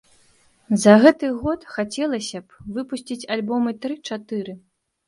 За гэты год хацелася б выпусціць альбомы тры-чатыры.